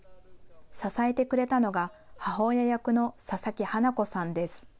支えてくれたのが、母親役の佐々木英子さんです。